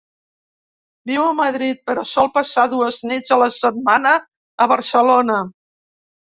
Viu a Madrid però sol passar dues nits a la setmana a Barcelona.